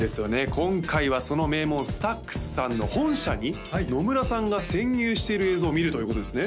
今回はその名門ＳＴＡＸさんの本社に野村さんが潜入している映像を見るということですね？